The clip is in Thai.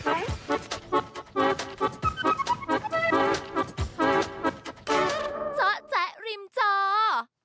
เจ้าแจ๊ะริมจอร์